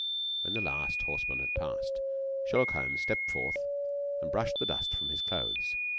When the last horseman had passed, Sherlock Holmes stepped forth and brushed the dust from his clothes.